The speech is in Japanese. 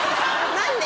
何で？